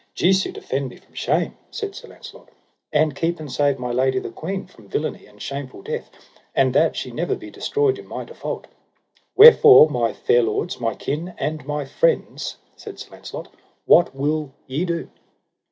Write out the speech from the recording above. Jesu defend me from shame, said Sir Launcelot, and keep and save my lady the queen from villainy and shameful death, and that she never be destroyed in my default; wherefore my fair lords, my kin, and my friends, said Sir Launcelot, what will ye do?